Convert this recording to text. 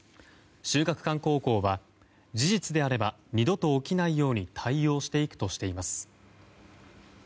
秀岳館高校は、事実であれば二度と起きないように対応していくとしています。